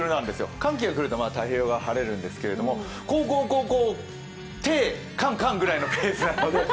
寒気が来ると太平洋側、晴れるんですけど、高高高低寒寒ぐらいのペースなんで。